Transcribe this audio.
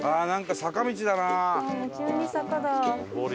急に坂だ。